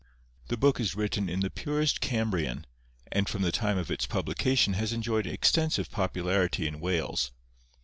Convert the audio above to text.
The book is written in the purest Cambrian, and from the time of its publication has enjoyed extensive popularity in Wales.